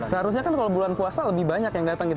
seharusnya kan kalau bulan puasa lebih banyak yang datang gitu